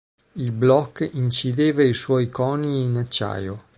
Il Bloc incideva i suoi conii in acciaio.